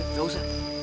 eh gak usah